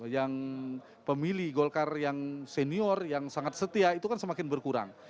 yang pemilih golkar yang senior yang sangat setia itu kan semakin berkurang